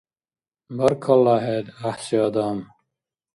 Баркалла хӀед, гӀяхӀси адам!